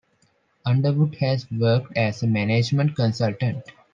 Underwood has worked as a management consultant.